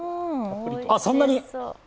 そんなに！？